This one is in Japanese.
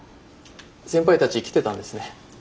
先輩たち来てたんですね。